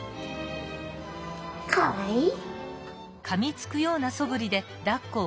かわいい。